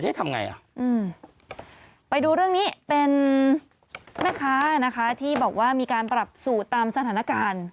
ทำไงอ่ะอืมไปดูเรื่องนี้เป็นแม่ค้านะคะที่บอกว่ามีการปรับสูตรตามสถานการณ์